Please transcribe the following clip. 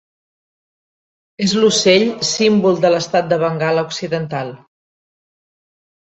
És l'ocell símbol de l'estat de Bengala Occidental.